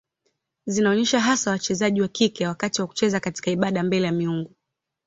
Zinaonyesha hasa wachezaji wa kike wakati wa kucheza katika ibada mbele ya miungu.